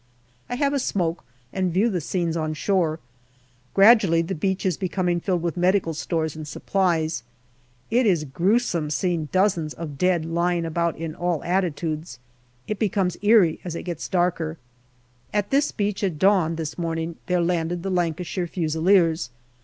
I have a smoke, and view the scenes on shore. Gradually the beach is becoming filled with medical stores and supplies. It is gruesome seeing dozens of dead lying about in all attitudes. It becomes eerie as it gets darker. At this beach at dawn this morning there landed the Lancashire Fusiliers.